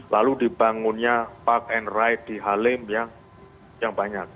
lalu dibangunnya park and ride di halim yang banyak